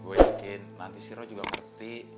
gue yakin nanti si rodia juga ngerti